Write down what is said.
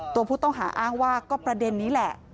ตัวผู้ต้องหาอ้างว่าก็ประเด็นนี้แหละ